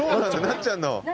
なっちゃんの。